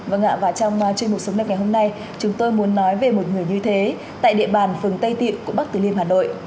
vâng ạ và trong chuyên mục sống đẹp ngày hôm nay chúng tôi muốn nói về một người như thế tại địa bàn phường tây tiệu quận bắc từ liêm hà nội